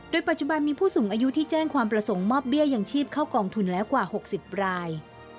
ปัจจุบันมีผู้สูงอายุที่แจ้งความประสงค์มอบเบี้ยยังชีพเข้ากองทุนแล้วกว่า๖๐ราย